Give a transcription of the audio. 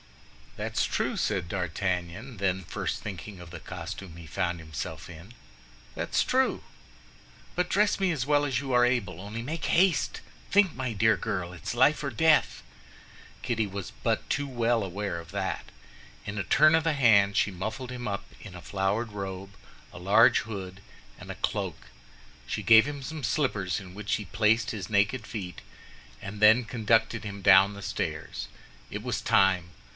"That's true," said D'Artagnan, then first thinking of the costume he found himself in, "that's true. But dress me as well as you are able, only make haste; think, my dear girl, it's life and death!" Kitty was but too well aware of that. In a turn of the hand she muffled him up in a flowered robe, a large hood, and a cloak. She gave him some slippers, in which he placed his naked feet, and then conducted him down the stairs. It was time.